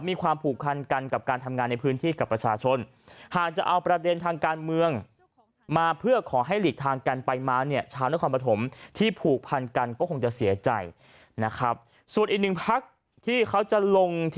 อันนี้ก็ว่ามีความผูกพันกันของการทำงานในพื้นที่กับประชาชน